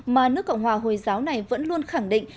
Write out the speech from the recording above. mà nước cộng hòa hồi giáo này vẫn luôn khẳng định